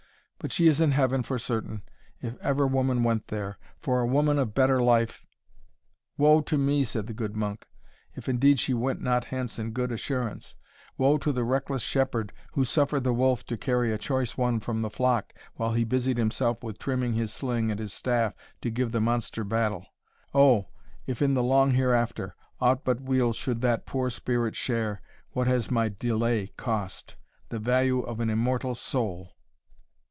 But she is in heaven for certain, if ever woman went there; for a woman of better life " "Wo to me," said the good monk, "if indeed she went not hence in good assurance wo to the reckless shepherd, who suffered the wolf to carry a choice one from the flock, while he busied himself with trimming his sling and his staff to give the monster battle! Oh! if in the long Hereafter, aught but weal should that poor spirit share, what has my delay cost? the value of an immortal soul!"